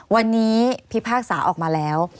วันนี้พิพากษาออกมาแล้ว